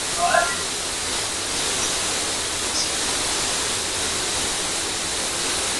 na kutoka siku hiyo ya mazishi yake mpaka leo afrika ya kaskazini